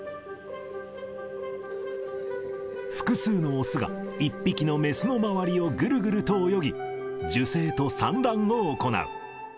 複数の雄が、１匹の雌の周りをぐるぐると泳ぎ、受精と産卵を行う。